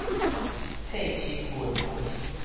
替身銀行